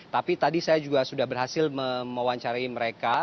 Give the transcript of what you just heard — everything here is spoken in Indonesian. tapi tadi saya juga sudah berhasil mewawancari mereka